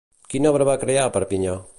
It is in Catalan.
Quina obra va crear a Perpinyà?